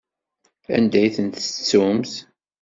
Anda i tent-tettumt?